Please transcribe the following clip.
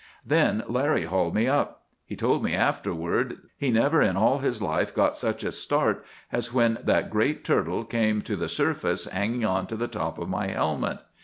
"'Then Larry hauled me up. He told me afterward he never in all his life got such a start as when that great turtle came to the surface hanging on to the top of my helmet.